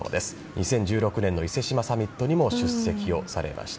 ２０１６年の伊勢志摩サミットにも出席されました。